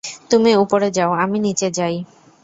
তুমি উপরে যাও, আমি নিচে যাই।